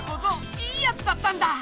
いいヤツだったんだ！